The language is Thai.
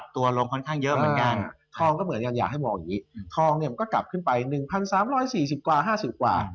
ทองมันก็กลับขึ้นไป๑๓๔๐กว่า๕๐กว่า